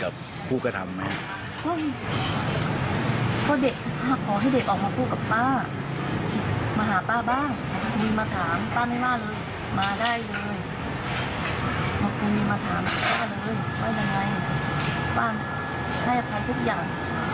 มาคุยมาถามป้าเลยว่าอย่างไรป้าให้อภัยทุกอย่าง